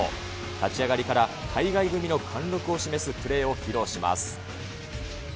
立ち上がりから、海外組の貫録を示すプレーを披露します。